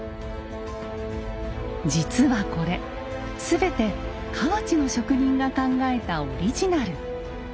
実はこれ全て河内の職人が考えたオリジナル。